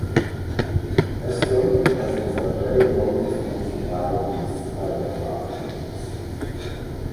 Estonian peasants are very loath to mention wild beasts by their proper names.